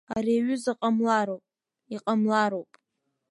Ари аҩыза ҟамлароуп, иҟамлароуп!